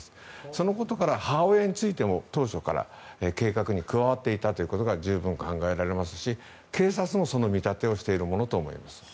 そのことから母親についても当初から計画に加わっていたということが十分考えられますし警察もその見立てをしているものと思います。